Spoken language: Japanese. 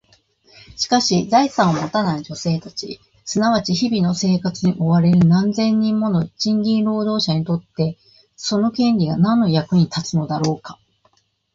しかし、財産を持たない女性たち、すなわち日々の生活に追われる何千人もの賃金労働者にとって、その権利が何の役に立つのだろうか？